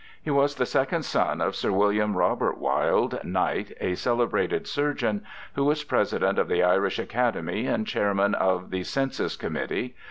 He was the second son of Sir William Robert Wilde, Knight, a celebrated surgeon who was President of the Irish Academy and Chairman of the Census Committee.